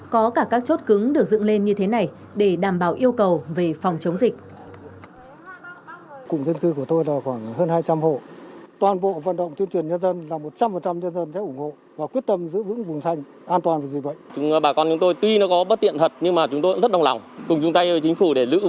có cả các chốt cứng được dựng lên như thế này để đảm bảo yêu cầu về phòng chống dịch